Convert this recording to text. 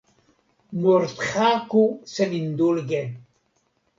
Morthaku senindulge!